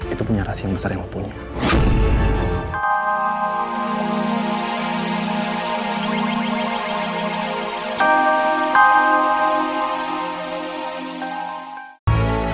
itu punya rahasia yang besar yang lo punya